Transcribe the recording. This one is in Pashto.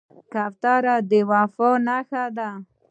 کوتره د وفا نښه ده.